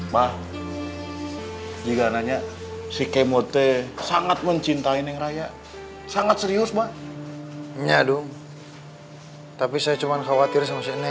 mah jika nanya si kemode sangat mencintai neng raya sangat serius mah iya dong tapi saya cuman khawatir